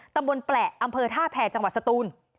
ตำบลแปละอำเภอท่าแพรจังหวัดสตูน